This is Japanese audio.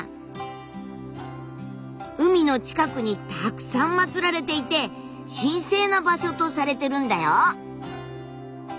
海の近くにたくさん祭られていて神聖な場所とされてるんだよ。